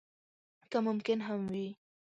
که ممکن هم وي.